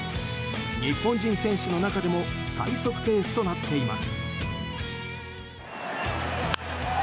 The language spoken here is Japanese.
日本人選手の中でも最速ペースとなっています。